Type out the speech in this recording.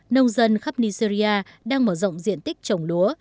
nông dân khắp nigeria đang mở rộng diện tích trồng lúa